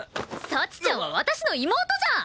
幸ちゃんは私の妹じゃん！